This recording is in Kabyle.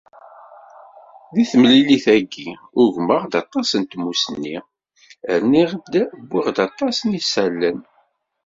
Di temlilit-agi ugmeɣ-d aṭas n tmussni, rniɣ wwiɣ-d aṭas n yisallen.